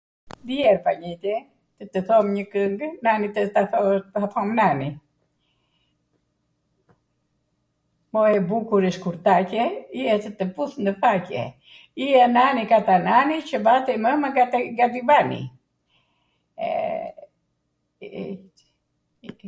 Ija panjwete [???] tw tw thom njw kwngw, nani, tw ta thom nani, o e bukurw shkurtaqe, ija tw tw puth nw faqe, ija nani, katanani, qw vate mwma nga divani, eee...